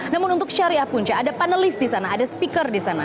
namun untuk syariah punca ada panelis di sana ada speaker di sana